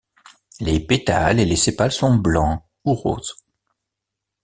Les pétales et les sépales sont blancs, ou roses.